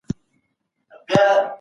ایمي د کار لپاره انګیزه له لاسه ورکړه.